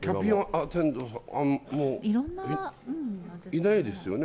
いないですよね。